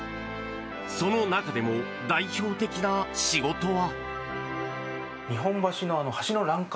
その中でも代表的な仕事は。